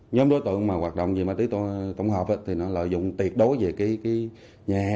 nhóm đối tượng mà hoạt động về ma túy tổng hợp thì nó lợi dụng tuyệt đối về cái nhà